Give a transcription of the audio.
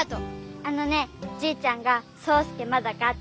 あのねじいちゃんがそうすけまだかって。